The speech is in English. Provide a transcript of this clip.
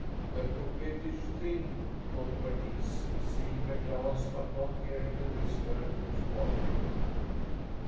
"The coquettish thing!" thought Bernice, seeing the glance but not hearing the whisper which followed it.